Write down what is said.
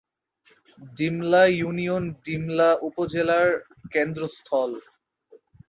Dimla union Dimla উপজেলার কেন্দ্রস্থল।